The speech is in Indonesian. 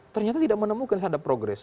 ternyata tidak menemukan seandap progres